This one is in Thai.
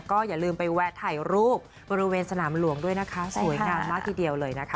ก็อย่าลืมไปแวะถ่ายรูปบริเวณสนามหลวงด้วยนะคะสวยงามมากทีเดียวเลยนะคะ